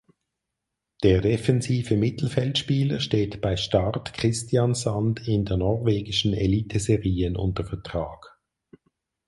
Der Defensive Mittelfeldspieler steht bei Start Kristiansand in der norwegischen Eliteserien unter Vertrag.